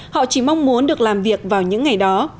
họ chỉ mong muốn được làm việc vào những ngày đó